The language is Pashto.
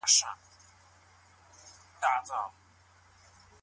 او پرېږدئ چې وځلیږي.